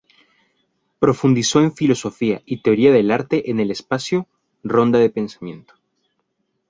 Profundizó en filosofía y teoría del arte en el espacio 'Ronda de Pensamiento'.